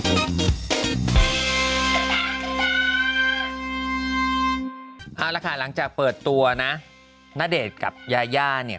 เอาละค่ะหลังจากเปิดตัวนะณเดชน์กับยาย่าเนี่ย